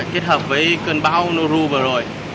kết hợp với cơn bão nuru vừa rồi